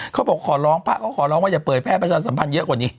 เขาขอร้องว่าจะเปิดแพทย์ประชาสัมพันธ์เยอะกว่านี้